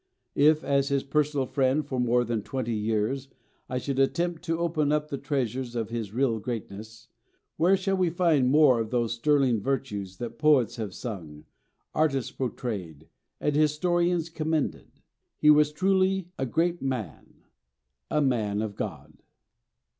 If, as his personal friend for more than twenty years, I should attempt to open up the treasures of his real greatness, where shall we find more of those sterling virtues that poets have sung, artists portrayed, and historians commended? He was truly a great man a man of God!